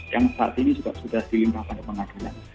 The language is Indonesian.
yang saat ini juga sudah dilimpahkan ke pengadilan